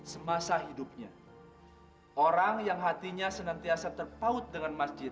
semasa hidupnya orang yang hatinya senantiasa terpaut dengan masjid